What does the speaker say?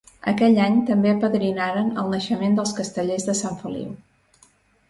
Aquell any també apadrinaren el naixement dels Castellers de Sant Feliu.